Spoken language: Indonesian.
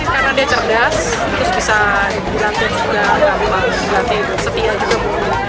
karena dia cerdas bisa berlatih juga berlatih setiap jam